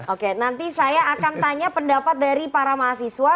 oke nanti saya akan tanya pendapat dari para mahasiswa